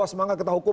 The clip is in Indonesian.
semangat kita hukum